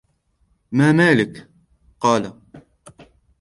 مَا مَالُك ؟ قَالَ